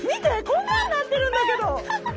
こんなんなってるんだけど！